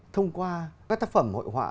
thông qua các tác phẩm hội họa